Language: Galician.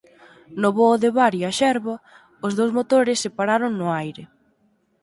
No voo de Bari a Xerba os dous motores se pararon no aire.